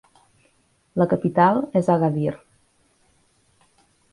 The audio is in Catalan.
La capital és Agadir.